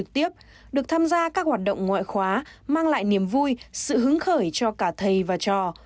tham gia các hoạt động ngoại khóa mang lại niềm vui sự hứng khởi cho cả thầy và trò